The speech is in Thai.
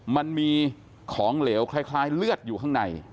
มันมีของเหลวคล้ายเลือดอยู่ข้างใน